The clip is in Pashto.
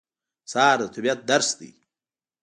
سهار د طبیعت درس دی.